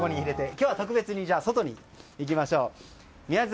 今日は特別に外に行きましょう。